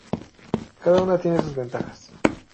Cada una tiene sus ventajas.